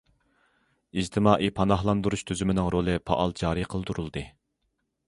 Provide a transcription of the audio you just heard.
ئىجتىمائىي پاناھلاندۇرۇش تۈزۈمىنىڭ رولى پائال جارى قىلدۇرۇلدى.